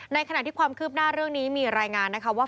ในขณะที่ความคืบหน้าเรื่องนี้มีรายงานนะคะว่า